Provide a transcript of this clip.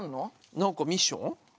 なんかミッション？